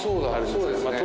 そうですね。